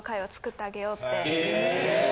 え！